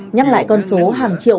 nhắc lại con số hàng triệu